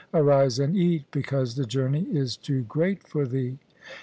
Arise and eat; because the journey is too great for thee."